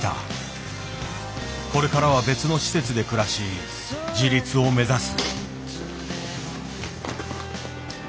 これからは別の施設で暮らし自立を目指す。